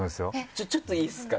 ちょっといいですか？